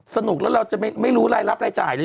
สนุกแล้วเราจะไม่รู้รายรับรายจ่ายเลย